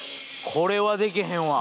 これはでけへんわ。